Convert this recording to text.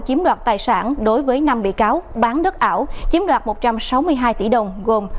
chiếm đoạt tài sản đối với năm bị cáo bán đất ảo chiếm đoạt một trăm sáu mươi hai tỷ đồng gồm